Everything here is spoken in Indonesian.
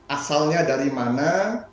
asalnya dari mana